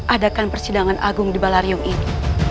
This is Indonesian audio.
adakan persidangan agung di balarium ini